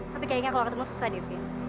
tapi kayaknya kalau ketemu susah diving